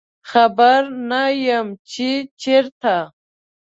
خبر نه یمه چې چیرته